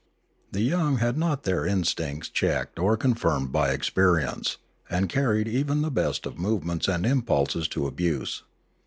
The young had not their instincts checked or confirmed by experience, and carried even the best of movements and impulses to abuse.